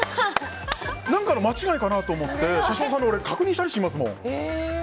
何かの間違いかなと思って車掌さんに確認したりしますもん。